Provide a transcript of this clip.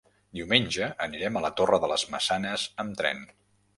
Diumenge anirem a la Torre de les Maçanes amb tren.